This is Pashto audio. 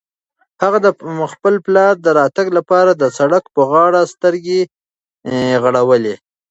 هغه د خپل پلار د راتګ لپاره د سړک په غاړه سترګې غړولې.